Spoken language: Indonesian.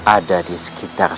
ada di sekitar